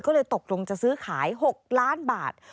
ก็เลยตกลงจะซื้อขาย๖ล้านบาท